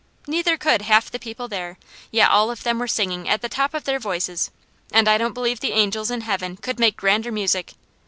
Neither could half the people there, yet all of them were singing at the tops of their voices, and I don't believe the angels in Heaven could make grander music.